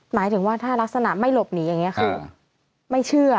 หมายถึงว่าถ้ารักษณะไม่หลบหนีอย่างนี้คือ